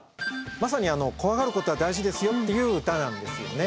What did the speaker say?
まさに怖がることは大事ですよっていう歌なんですよね。